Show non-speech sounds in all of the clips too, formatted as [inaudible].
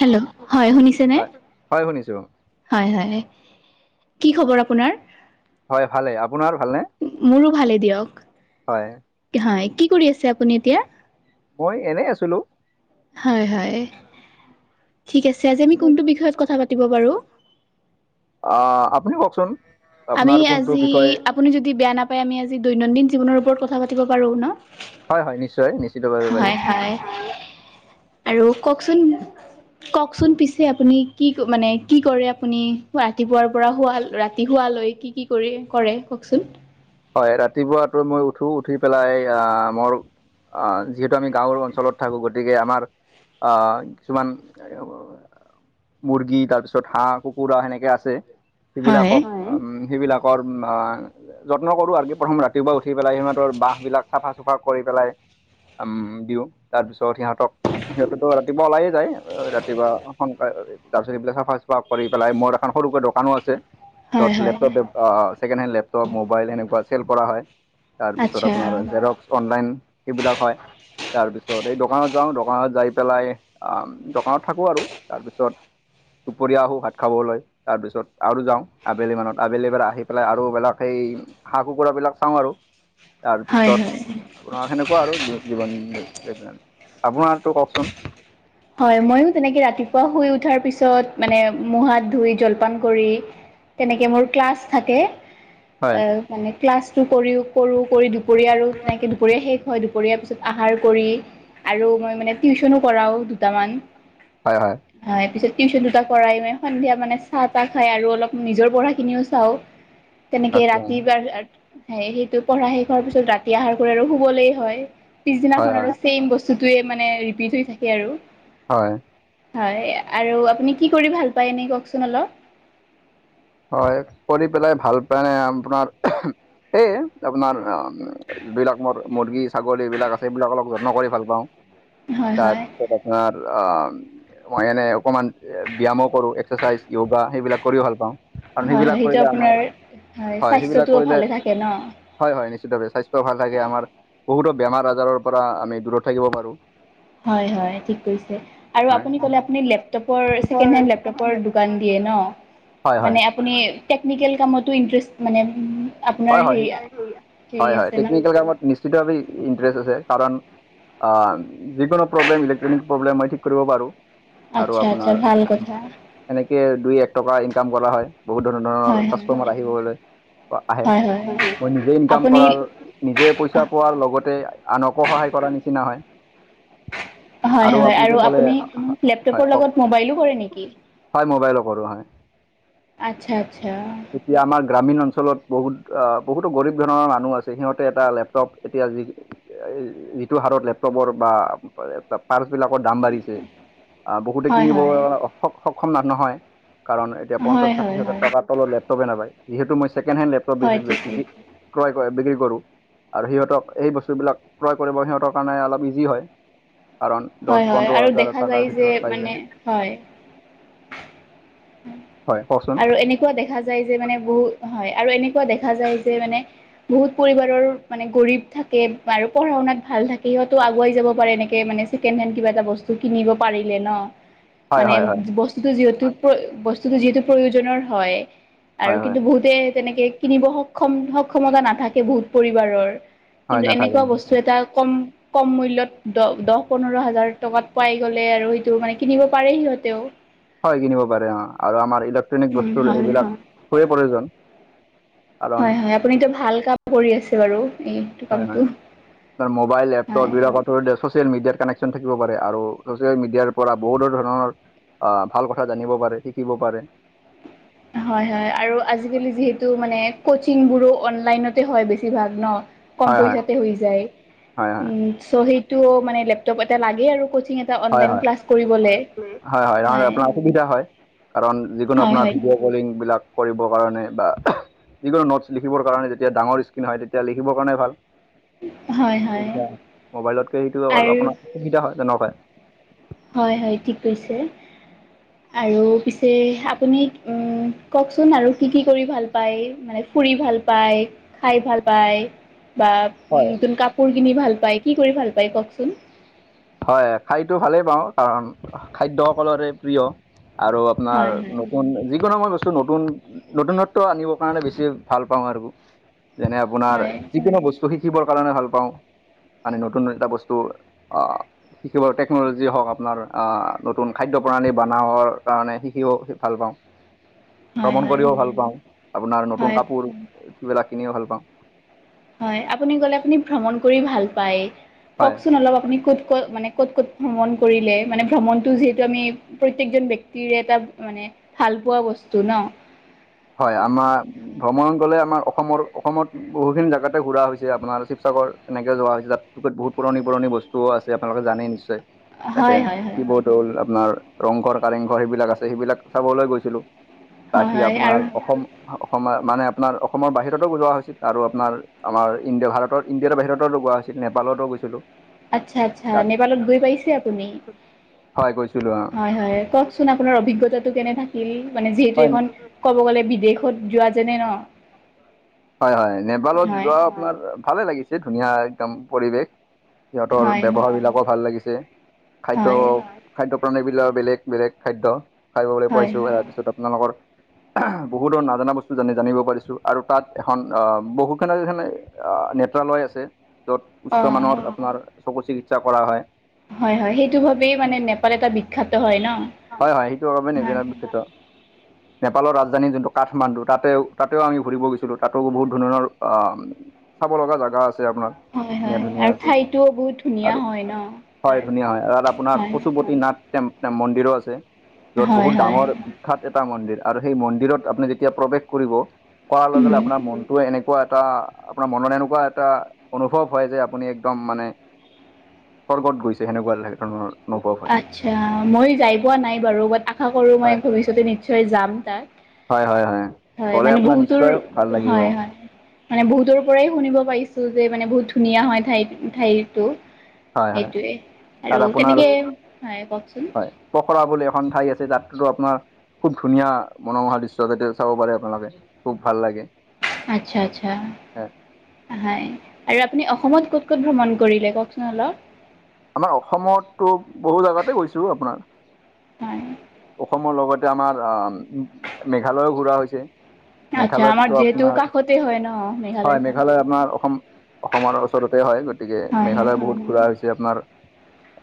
Hello হয় শুনিছেনে। হয় হয় শুনিছো হয়, হয় কি খবৰ আপোনাৰ? হয় ভালে আপোনাৰ ভালনে? মোৰো ভালে হয় দিয়ক হয় কি কৰি আছে আপুনি এতিয়া? মই এনেই আছিলোঁ। হয়, হয় ঠিক আছে, আজি আমি কোনটো বিষয়ত কথা পাতিব বাৰু। অ', আপুনি কওকচোন? আমি আপোনাৰ কোনটো আজি বিষয় আপুনি যদি বেয়া নাপায় আমি আজি দৈনন্দিন জীৱনৰ ওপৰত কথা পাতিব পাৰোঁ ন। হয়, হয় নিশ্চয় নিশ্চিতভাৱে পাৰি। হয় হয় আৰু কওকচোন। কওকচোন পিছে আপুনি কি মানে কি কৰে আপুনি ৰাতিপুৱাৰ পৰা শুৱা ৰাতি ধুৱা লৈ কি কি কৰি কৰে কওকচোন? হয় ৰাতিপুৱাটো মই উঠো উঠি পেলাই আহ মোৰ যিহেতু আমি গাঁৱৰ অঞ্চলত থাকোঁ গতিকে আমাৰ আ কিছুমান মুৰ্গী তাৰপিছত হাঁহ কুকুৰা সেনেকে আছে। হয় সেইবিলাকক সেইবিলাকৰ যত্ন কৰোঁ আৰু কি প্ৰথম ৰা ৰাতিপুৱাই উঠি পেলাই সিহঁতৰ বাঁহ বিলাক চাফা চুফা কৰি পেলাই দিওঁ তাৰপিছত সিহঁতক। সিহঁতেতো ৰাতিপুৱা ওলাইে যায় ৰাতিপুৱা সোনকালে তাৰপিছত এইফিলাক চাফা চফা কৰি পেলাই মোৰ এখন সৰুকৈ দোকানো আছে। হয় য'ত হয় laptop second hand laptop mobile এনেকুৱা চেল কৰা হয়। তাৰপিছত আচ্ছা আপোনাৰ জেৰক্স অনলাইন সেইবিলাক হয়। তাৰপিছত এই দোকানত যাওঁ দোকানত যাই পেলাই দোকানত থাকোঁ আৰু তাৰপিছত দুপৰীয়া আহোঁ ভাত খাবলৈ। তাৰ পিছত আৰু যাওঁ আবেলি মানত আবেলি পৰা আহি পেলাই আৰুবিলাক সেই হাঁহ কুকুৰা বিলাক চাওঁ আৰু তাৰ হয় পিছত হয়। আপোনাৰ সেনেকুৱা আৰু জীৱন আপোনাৰতো কওকচোন হয় মইও তেনেকে ৰাতিপুৱা শুই উঠাৰ পিছত মানে মু হাত ধুই জলপান কৰি তেনেকে মোৰ ক্লাছ থাকে হয় এ মানে ক্লাছটো কৰিও কৰোঁ কৰি দুপৰীয়া আৰু তেনেকে দুপৰীয়া শেষ হয় দুপৰীয়াৰ পিছত আহাৰ কৰি আৰু মই মানে টিউচনো কৰাও। দামমান। হয়, হয়। হয় পিছত টিউশচন দুটা কৰাই সন্ধিয়া মানে চাহ তাহ খাই আৰু অলপ নিজৰ পঢ়াখিনিও চাওঁ। তেনেকে আচ্ছা ৰাতি বা স সেইটো পঢ়া শেষ হোৱাৰ পিছত ৰাতি আহাৰ কৰি আৰু শুবলে হয় হয় পিছদিনাখন হয় আৰু ছেম বস্তু বস্তুয়ে মানে ৰিপিট হৈ থাকে আৰু। হয়। হয় আৰু আপুনি কি কৰি ভাল পায় এনে কওকচোন অলপ। হয় কৰি পেলাই ভাল পায় নে আপোনাৰ সেয়ে আপোনাৰ যিবিলাক মু-মুৰ্গী ছাগলী বিলাক আছে এইবিলাক অলপ যত্ন কৰি ভাল পাওঁ, হয় হয় তাৰপিছত আপোনাৰ অ' মই এনে অকমান ব্যায়ামো কৰো, এক্সাৰচাইজ, য়োগা সেইবিলাক কৰিও ভাল পাওঁ। কাৰণ, হয় হয় সেইবিলাক সেইটো কৰিলে আপোনাৰ আমাৰ হয় সেইবিলাক স্বাস্থ্যটোও কৰিলে ভালে থাকে ন? হয়-হয় নিশ্চিত [unintelligible] স্বাস্থ্যও ভাল [unintelligible] আমাৰ। বহুতো বেমাৰ, আজাৰৰ পৰা আমি দূৰত থাকিব পাৰো। হয়, হয়, ঠিক কৰিছে। আৰু আপুনি ক'লে, আপুনি লেপটপৰ ছেকেণ্ড হেণ্ড লেপটপৰ দোকান দিয়ে নহ? হয় হয় মানে আপুনি টেকনিকেল কামতো ইন্টাৰেষ্ট মানে আপোনাৰ হয়, হয়। হেৰি হেৰি হয়, হয়। আছে ন? টেকনিকেল কামত নিশ্চিতভাৱে ইণ্টাৰেষ্ট আছে, কাৰণ [unintelligible] যিকোনো প্ৰব্লেম, ইলেক্ট্ৰনিক প্ৰব্লেম মই ঠিক কৰিব পাৰোঁ। আৰু আচ্ছা আচ্ছা আপনাৰ ভাল কথা এনেকে দুই এক টকা ইনকাম কৰা হয়, বহুত ধৰণৰ হয় ধ কাষ্টমাৰ [unintelligible] আহে। হয় হয় হয় মই নিজে ইনকাম আপুনি কৰাৰ নিজে পইচা পোৱাৰ লগতে, আনকো সহায় কৰাৰ নিচিনা হয়। আৰু আপুনি যে ক'লে, লেপটপৰ হয় কওঁক। লগত মোবাইলো কৰে নেকি? হয়, মোবাইলৰ কৰো হয়। আচ্ছা, আচ্ছা। এতিয়া আমাৰ গ্ৰামীণ অঞ্চলত বহুত বহুতো গৰীব ধৰণৰ মানুহ আছে, সিহঁতে এটা লেপটপ এতিয়া যি যিটো হাৰত লেপটপৰ বা পাৰ্চ বিলাকৰ দাম বাঢ়িছে, আহ বহুতে হয় কিনিব হয়। স-সক্ষম [unintelligible] নহয়। কাৰণ এতিয়া হয় পঞ্চাশ, ষাঠি হয় হাজাৰ হয় টকাৰ তলত লেপটপে নাপায়। যিহেতু মই ছেকেণ্ড হেণ্ড লেপটপ হয় ঠিকেই [unintelligible] ক্ৰয় কৰে, বিক্ৰী কৰো। আৰু সিহঁতক, এই বস্তুবিলাক ক্ৰয় কৰিব সিহঁতৰ কাৰণে অলপ [unintelligible] হয়। কাৰণ হয় দশ, হয় পোন্ধৰ আৰু হাজাৰ [unintelligible] দেখা এটা যায় তাৰ যে ভিতৰত পাই মানে যায়। হয় হয়, কচোন। আৰু এনেকুৱা দেখা যায় যে, মানে, বহুত হয় আৰু এনেকুৱা দেখা যায় যে, মানে বহুত পৰিবাৰৰ মানে গৰীব থাকে আৰু পঢ়া শুনাত ভাল থাকে, সিহঁতো আগুৱাই যাব পাৰে এনেকে মানে ছেকেণ্ড হেণ্ড কিবা এটা বস্তু কিনিব পাৰিলে নহ। হয় মানে হয় হয় বস্তুটো যিহেতু, বস্তুটো যিহেতু প্ৰয়োজনৰ হয়। আৰু হয় হয় কিন্তু বহুতে, তেনেকে কিনিব সক্ষম সক্ষমতা নাথাকে বহুত পৰিবাৰৰ। হয় কিন্তু এনেকুৱা নাথাকে বস্তু এটা কম কম মূল্যত দ-দহ, পোন্ধৰ হাজাৰ টকাত পাই গ'লে আৰু সেইটো মানে কিনিব পাৰে সিহঁতেও। হয়, কিনিব পাৰে অ', আৰু আমাৰ ইলেক্ট্ৰনিক উম বস্তুৰ হয় এইবিলাক খুবেই প্ৰয়োজন। কাৰণ হয়, হয়, আপুনিটো ভাল কাম কৰি আছে বাৰু এই হয়, হয়, [unintelligible] মোবাইল লেপটপ হয় বিলাকত ছ'চিয়েল মিডিয়াৰ কানেকশ্যন থাকিব পাৰে, আৰু ছচিয়েল মিডিয়াৰ পৰা বহুতো ধৰণৰ অ', ভাল কথা জানিব, পাৰে শিকিব পাৰে। হয়, হয়, আৰু আজি আজিকালি যিহেতু, মানে কচিং বোৰো অনলাইনতে হয় বেছিভাগ নহ? কম হয় হয় পইচাটে হৈ যায়, হয় হয় উম। চ', সেইটো মানে লেপটপ এটা লাগেই আৰু কচিং এ হয়-হয়, হয়-হয়, হয় আপোনাৰ অসুবিধা হয়। কাৰণ, যিকোনো হয় আপোনাৰ হয় ভিডিঅ' বলিং বিলাক কৰিবৰ কাৰণে বা যিকোনো নটছ লিখিবৰ কাৰণে যেতিয়া ডাঙৰ স্ক্ৰীন হয়, তেতিয়া লিখিবৰ কাৰণে ভাল। হয় [unintelligible] হয় ম'বাইলতকে সেইটো আৰু আপোনাৰ সুবিধা হয়, তেনেকুৱাই। হয়-হয়, ঠিক কৈছে। আৰু পিছে, আপুনি কওকচোন আৰু কি কি কৰি ভাল পায়, মানে ফুৰি ভাল পায় খাই ভাল পায় বা হয় [unintelligible] নতুন কাপোৰ কিনি ভাল পায়, কি কৰি ভাল পায় কওঁকচোন? হয়, খাইতো ভালেই পাওঁ। কাৰণ, খাদ্য সকলোৰে প্ৰিয় আৰু হয় হয় আপোনাৰ যিকোনো মই বস্তু নতুন নতুনত্ব আনিব কাৰণে বেছি ভাল পাওঁ আৰু। যেনে আপোনাৰ হয় যিকোনো বস্তু শিকিবৰ কাৰণে ভাল পাওঁ। মানে নতুন এটা বস্তু অ'। শিকিবৰ টেকন'লজি হওঁক, আপোনাৰ নতুন খাদ্য প্ৰণালী বনাবৰ কাৰণে শিকিব ভাল পাওঁ। [inaudible] ভ্ৰমণ কৰিও ভাল পাওঁ। আপোনাৰ নতুন হয় কাপোৰ বিলাক কিনিও ভাল পাওঁ। হয়, আপুনি ক'লে আপুনি ভ্ৰমণ কৰি ভাল পায়, হয় কওঁকচোন অলপ আপুনি ক'ত ক'ত মানে, ক'ত ক'ত ভ্ৰমণ কৰিলে। মানে ভ্ৰমণতটো যিহেতু আমি প্ৰত্যকজন ব্যক্তিৰে এটা মানে ভালপোৱা বস্তু ন। হয়, আমাৰ ভ্ৰমণ গ'লে আমাৰ অসমৰ অসমত বহুখিনি জেগাতে ঘূৰা হৈছে। আপোনাৰ শিৱসাগৰ এনেকে যোৱা হৈছে। তাত বহুত পুৰণি পুৰণি বস্তুও আছে। আপোনালোকে জানেই নিশ্চয়। তাতে হয় হয় হয় সেইবোৰত দৌল, আপোনাৰ ৰংঘৰ, কাৰেংঘৰ সেইবিলাক আছে, সেইবিলাক চাবলৈ গৈছিলোঁ। হয় বাকি হয় আৰু অসম অসমৰ মানে আপোনাৰ অসমৰ বাহিৰতো যোৱা হৈছিল আৰু আপোনাৰ আমাৰ ইণ্ডিয়া ভাৰতৰ, ইণ্ডিয়া বাহিৰতো যোৱা হৈছিল, নেপালতো গৈছিলোঁ। আচ্ছা, আচ্ছা। তাত নেপালত গৈ পাইছে আপুনি? হয় গৈছিলোঁ অ হয়, হয় কওঁক চোন আপোনাৰ অভিজ্ঞতাটো কেনে থাকিল, মানে যিহেতু হয় এখন ক'ব গ'লে বিদেশত যোৱা যেনে ন। হয়, হয়। নেপালত হয় যোৱা আপোনাৰ ভালে লাগিছে ধুনীয়া একদম পৰিৱেশ। সিহঁতৰ হয় হয় ব্যৱহাৰ বিলাকো ভাল লাগিছে। খাদ্য হয় খাদ্য প্ৰাণালী বিলাকৰ বেলেগ বেলেগ খাদ্য খাবলৈ হয় পাইছোঁ। হয় তাৰপিছত, আপোনালোকৰ বহুটো নাজানা বস্তু জানি জানিব পাৰিছোঁ আৰু তাত এখন আহ বহু কেইখন নেত্ৰালয় আছে। য'ত, উচ্চ অঁ মানৰ আপোনাৰ চকু চিকিৎসা কৰা হয়। হয়, হয়। সেইটো ভাবি মানে নেপাল এটা বিখ্যাত হয় ন, হয় হয় হয়। [inaudible] নেপলৰ ৰাজধানী যোনটো কাঠমান্দু তাতেও তাতেও আমি ঘূৰিব গৈছোঁ। ত' তাতো বহুত ধৰণৰ অ' চাব লগা জেগা আছে আপোনাৰ। হয় ধুনীয়া হয় ধুনীয়া আৰু আছে ঠাইটোও বহুত ধুনীয়া আৰু হয় ন হয় তাৰ ধুনীয়া হয় আৰু আপোনাৰ হয় পচুপতি নাথ। মন্দিৰো আছে, য'ত হয় বহুত হয় ডাঙৰ বিখ্যাত এটা মন্দিৰ আৰু সেই মন্দিৰত আপুনি যেতিয়া প্ৰৱেশ কৰিব, কৰা লগে উম আপোনাৰ মনটোৱে এনেকুৱা এটা, আপোনাৰ মনত এনেকুৱা এটা, অনুভৱ হয় যে, আপুনি একদম মানে স্বৰ্গত গৈছে সেনেকুৱা ধৰণৰ। অনুভৱ হয়। আচ্ছা, মই যাই পোৱা নাই বাৰু। বাট আশা কৰোঁ মই হয় ভৱিষ্যতে নিশ্চয় যাম তাত। হয় হয় হয় হয় গ'লে মানে, আপোনাৰ বহুতৰ নিশ্চয় ভাল লাগিব হয়, হয়। মানে বহুতৰ পৰাই শুনিব পাৰিছোঁ যে মানে বহুত ধুনীয়া হয় ঠাই ঠাইতো। হয় হয়। সেইটোৱে তাত আৰু আপোনাৰ তেনেকে হয়, কওঁকচোন। হয়, পখৰা বুলি এখন ঠাই আছে, যাতটোৰ আপোনাৰ খুব ধুনীয়া মনোমোহা দৃশ্য যাতিয় চাব পাৰে আপোনালোকে, খুব ভাল লাগে। আচ্ছা, আচ্ছা, হয় আৰু আপুনি অসমত ক'ত ক'ত ভ্ৰমণ কৰিলে কওঁকচোন অলপ। আমাৰ অসমতো বহু জেগাতে গৈছোঁ আপোনাৰ। হয়। অসমৰ লগতে আমাৰ মেঘালয়ো ঘূৰা হৈছে। আচ্ছা আমাৰ মেঘালয়তো যিহেতু আপোনাৰ। কাষতে হয় ন মেঘালয়ত হয়, মেঘালয় আপোনাৰ অসম অসমৰ ওচৰতে হয়, গতিকে হয় হয় মেঘালয় বহুত ঘূৰা হৈছে। যে আপোনাৰ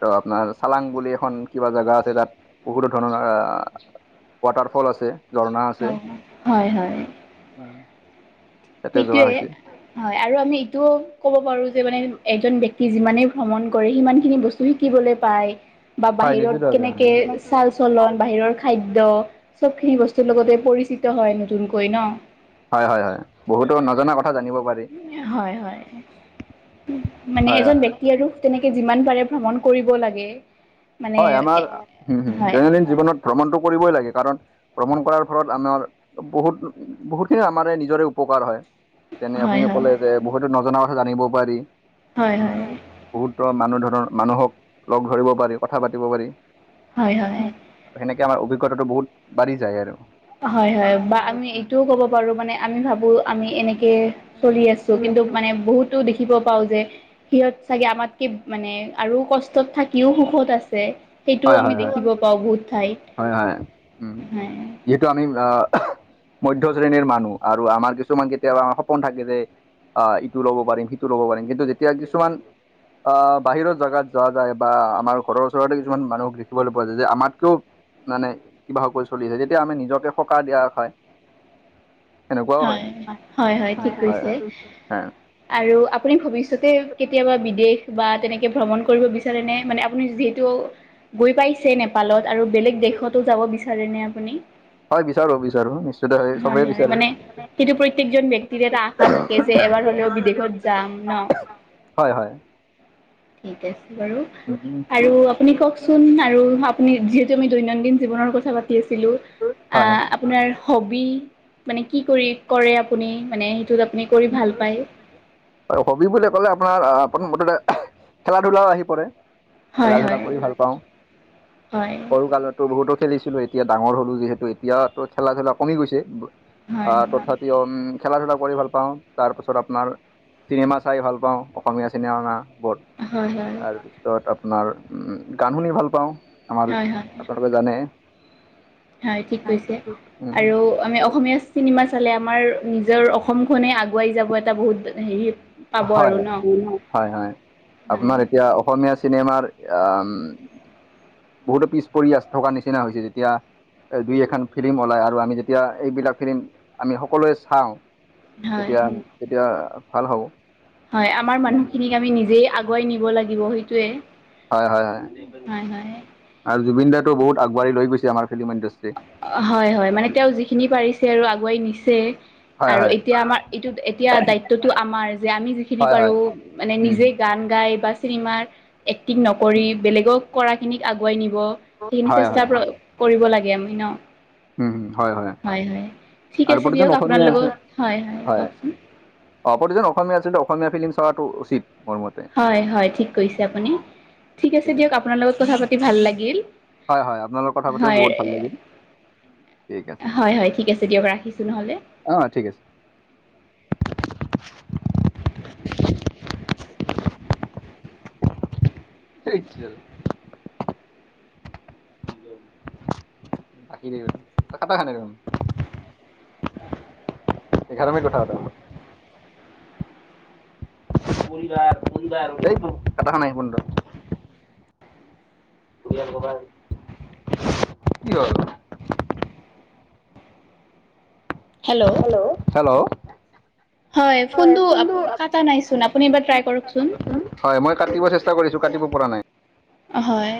তো আপোনাৰ চালাং বুলি এখন কিবা জেগা আছে তাত বহুতো ধৰণৰ আহ। ৱাটাৰফল আছে, ঝৰ্ণা আছে। হয় হয় হয় তাতে যোৱা সিটোৱে। হৈছে হয়, আৰু আমি এইটোও ক'ব পাৰো যে মানে এজন ব্যক্তি যিমানেই ভ্ৰমণ কৰে সিমানখিনি বস্তু শিকিবলৈ পায় বা হয় বাহিৰত কেনেকে চাল নিশ্চিতভাৱে চলন বাহিৰৰ খাদ্য চবখিনি বস্তুৰ লগতে পৰিচিত হয় নতুনকৈ ন। হয়, হয়, হয়, বহুতো নজনা কথা জানিব পাৰি। হয়, হয়, মানে হয় এজন হয়। ব্যক্তি আৰু তেনেকে যিমান পাৰে ভ্ৰমণ কৰিব লাগে। মানে হয়, আমাৰ হম হম হয় দৈনন্দিন জীৱনত ভ্ৰমণটো কৰিবই লাগে। কাৰণ ভ্ৰমণ কৰাৰ ফলত আমাৰ বহুত বহুখিনি আমাৰে নিজৰে উপকাৰ হয়। তেনে আপুনি হয় হয় ক'লে যে বহুতো নজনা কথা জানিব পাৰি। হয়, উম হয়। বহুতো মানুহ ধৰৰ মানুহক লগ ধৰিব পাৰি কথা পাতিব পাৰি। হয়, হয়। সেনেকে আমাৰ অভিজ্ঞতাটো বহুত বাঢ়ি যায় আৰু। হয়, হয়, বা আমি এইটোও ক'ব পাৰো মানে আমি ভাবো আমি এনে কে চলি আছো। কিন্তু মানে বহুতো দেখিব পাওঁ যে সিহঁত চাগে আমাতকে মানে আৰু কষ্টত থাকিও সুখত আছে। সেইটোও হয় আমি হয় হয় দেখিব পাওঁ বহুত ঠাইত হয় হয় উম। হয়। যিহেতু আমি আহ মধ্য শ্ৰেণীৰ মানুহ আৰু আমাৰ কিছুমান কেতিয়াবা আমাৰ সপোন থাকে যে আহ ইটো ল'ব পাৰিম সিটো ল'ব পাৰিম। কিন্তু যেতিয়া কিছুমান আহ বাহিৰৰ জেগাত যোৱা যায় বা আমাৰ ঘৰৰ ওচৰতে কিছুমান মানুহ দেখিবলৈ পোৱা যায় যে আমাতকেও মানে কিবাকৈ চলিছে যেতিয়া আমি নিজকে সকাহ দিয়া হয়। হয়, হয়, হয়, ঠিক কৈছে। আৰু আপুনি ভৱিষ্যতে কেতিয়াবা বিদেশ বা তেনেকে ভ্ৰমণ কৰিব বিচাৰে নে মানে আপুনি যিহেতু গৈ পাইছে নে পালত আৰু বেলেগ দেশতো যাব বিচাৰে ন আপুনি? হয়, বিচাৰো বিচাৰো নিশ্চয়তে হয় চবেই হয় বিচাৰিম। মানে সেইটো প্ৰত্যেকজন ব্যক্তিৰে এটা আশা থাকে যে এবাৰ হ'লেও বিদেশত যাম ন হয়, হয়। ঠিক আছে বাৰু আৰু আপুনি কওঁকচোন আৰু যিহেতু আমি দৈনন্দিন জীৱনৰ কথা পাতি আছিলো হয় আহ আপোনাৰ হবি মানে কি কৰি কৰে আপুনি মানে সেইটো [unintelligible] ভাল পায়? হবি বুলি ক'লে আপোনাৰ প্ৰথমতে খেলা ধূলাও আহি পৰে। খেলা হয় ধূলা হয় কৰি ভাল পাওঁ। হয় সৰুকালত বহুতো খেলিছিলো এতিয়া ডাঙৰ হ'লো যিহেতু এতিয়াতো খেলা ধূলা কমি গৈছে। হয় হয় তথাপিতো [unintelligible] খেলা ধূলা কৰি ভাল পাওঁ তাৰপাছত আপোনাৰ চিনেমা চাই ভাল পাওঁ অসমীয়া চিনেমাবোৰ। হয় হয় তাৰপিছত আপোনাৰ উম গান শুনি ভাল পাওঁ হয় আমাৰ [unintelligible] জানে। হয়, ঠিক কৈছে উম আৰু আমি অসমীয়া চিনেমা চালে আমাৰ নিজৰ অসমখনে আগুৱাই যাব এটা বহুত হেৰিত হয়, হয়, হয়, হয় আপোনাৰ এতিয়া অসমীয়া চিনেমাৰ [unintelligible] বহুতো পিছ পৰি থকাৰ নিচিনা হৈছে যেতিয়া দুই এখন ফিল্ম ওলায় আৰু আমি যেতিয়া এইবিলাক ফিল্ম আমি সকলোৱে চাওঁ। হয় তেতিয়া তেতিয়া ভাল হ'ব। হয়, আমাৰ মানুহখিনিক আমি নিজেই আগুৱাই নিব লাগিব সেইটোয়ে। হয়, হয়, হয়, আৰু জুবিন দাইটো বহুত আগবাঢ়ি লৈ গৈছে আমাৰ ফিল্ম ইণ্ডাষ্ট্ৰি। অ', হয়, হয়, মানে তেওঁ যিখিনি পাৰিছে আৰু আগুৱাই নিছে। হয় আৰু হয় এতিয়া আমাৰ এইটো এতিয়া দায়িত্বটো আমাৰ যে আমি যিখিনি হয় হয় পাৰো মানে উম নিজে গান গাই বা চিনেমাৰ এক্টিং নকৰি বেলেগক কৰা খিনিক আগুৱাই নিব সেইখিনি হয় হয় চেষ্টা হয় কৰিব লাগে। গেমিন। উম, হয়, হয় ঠিক আৰু আছে দিয়ক প্ৰতিজন আপোনাৰ অসমীয়া লগত আছে, হয়। কওকচোন অ' প্ৰতিজন অসমীয়া আছিললতে অসমীয়া ফিল্ম চোৱাটো উচিত মোৰ মতে। হয়, হয় ঠিক কৰিছে আপুনি, ঠিক আছে দিয়ক আপোনাৰ লগত কথা পাতি ভাল লাগিল। হয়, হয় আপোনা লগত কথা পাতিও হয় বহুত ভাল লাগিল। ঠিক আছে হয়, হয় ঠিক আছে দিয়ক, ৰাখিছোঁ নহ'লে। অ' ঠিক আছে। স [unintelligible] ৰাখি দেিব তই কটা খানে দে [unintelligible] এঘাৰমি কথা এটা। পৰিবাৰ পৰিবাৰ টাইোৰ কটাখানাই প [unintelligible] য় কবাৰ কি হয়। হেল্ল'? হেল্ল'? হয় ফোনটো কাটা নাইচোন আপুনি এবাৰ ট্ৰাই কৰকচোন। হয় মই কাটিব চেষ্টা কৰিছোঁ কাটিব পৰা নাই। হয়।